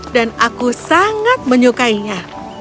dan aku sangat menyukainya